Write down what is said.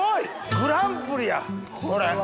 グランプリやこれ！